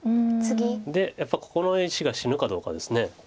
でやっぱりここの石が死ぬかどうかです。